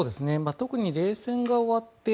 特に冷戦が終わって